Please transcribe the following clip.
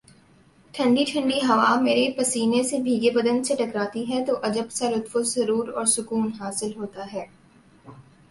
ٹھنڈی ٹھنڈی ہوا میرے پسینے سے بھیگے بدن سے ٹکراتی ہے تو عجب سا لطف و سرو ر اور سکون حاصل ہوتا ہے